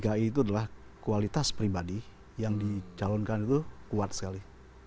dari kualitas pribadi yang dijalankan itu kuat sekali